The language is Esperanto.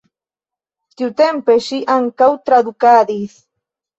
Tiutempe ŝi ankaŭ tradukadis.